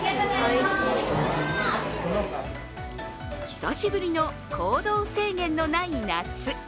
久しぶりの行動制限のない夏。